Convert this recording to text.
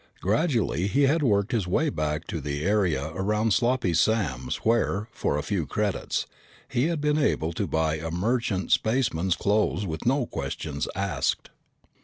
Gradually he had worked his way back to the area around Sloppy Sam's where, for a few credits, he had been able to buy a merchant spaceman's clothes with no questions asked.